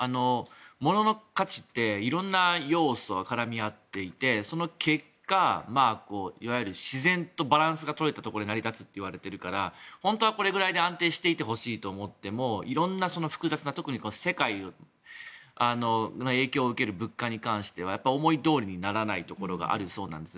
ものの価値って色んな要素が絡み合っていてその結果、いわゆる自然とバランスが取れたところで成り立つといわれているから本当はこれぐらいで安定していてほしいと思っても色んな複雑な特に世界の影響を受ける物価に関しては思いどおりにならないところがあるそうなんです。